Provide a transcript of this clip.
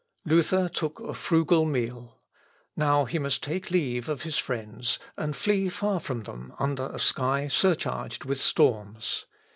Luther took a frugal meal. Now he must take leave of his friends, and flee far from them under a sky surcharged with storms.